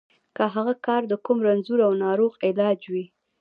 که هغه کار د کوم رنځور او ناروغ علاج وي.